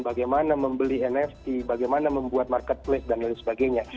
bagaimana membeli nft bagaimana membuat marketplace dan lain sebagainya